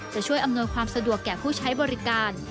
จะช่วยอำนวยความสะดวกแก่ผู้ใช้บริการ